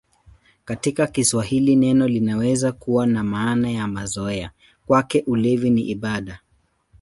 Katika Kiswahili neno linaweza kuwa na maana ya mazoea: "Kwake ulevi ni ibada".